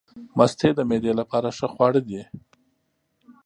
مستې د معدې لپاره ښه خواړه دي.